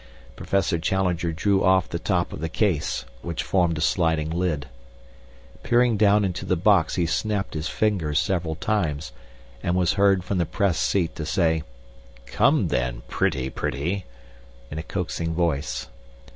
Professor Challenger drew off the top of the case, which formed a sliding lid. Peering down into the box he snapped his fingers several times and was heard from the Press seat to say, 'Come, then, pretty, pretty!' in a coaxing voice.